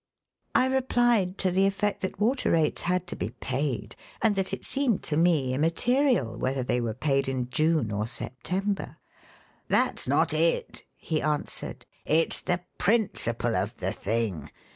I replied to the effect that water rates had to be paid, and that it seemed to me immaterial whether they were paid in June or September. "That's not it," he answered, "it's the principle of the thing.